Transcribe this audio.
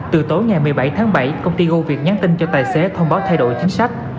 từ tối ngày một mươi bảy tháng bảy công ty goviet nhắn tin cho tài xế thông báo thay đổi chính sách